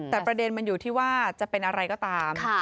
แต่ประเด็นมันอยู่ที่ว่าจะเป็นอะไรก็ตาม